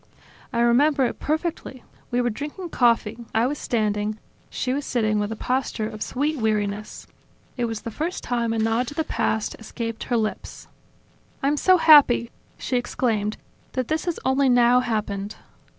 I remember it perfectly: we were drinking coffee, I was standing, she was sitting with a posture of sweet weariness. It was the first time a nod to the past escaped her lips. "I'm so happy," she exclaimed, "that this has only now happened!"